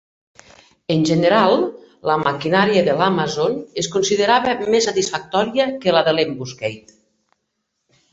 En general, la maquinària de l'"Amazon" es considerava més satisfactòria que la de l'"Ambuscade".